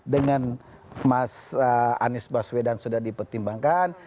dengan mas anies baswedan sudah dipertimbangkan